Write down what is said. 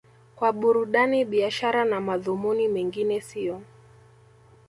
kwa burudani biashara na madhumuni mengine siyo